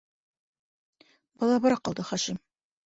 Баҙабыраҡ ҡалды Хашим.